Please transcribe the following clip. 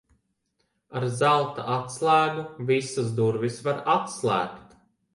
Ar zelta atslēgu visas durvis var atslēgt.